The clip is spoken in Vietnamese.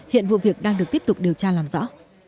hiện vụ việc đang được tiếp tục điều tra làm rõ